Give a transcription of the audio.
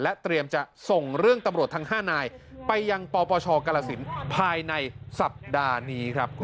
เตรียมจะส่งเรื่องตำรวจทั้ง๕นายไปยังปปชกรสินภายในสัปดาห์นี้ครับ